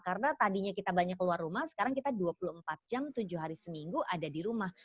karena tadinya kita banyak keluar rumah sekarang kita dua puluh empat jam tujuh hari seminggu ada di rumah